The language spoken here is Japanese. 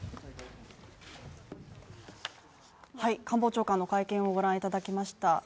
官房長官の会見をご覧いただきました。